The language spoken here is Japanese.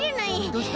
どうした？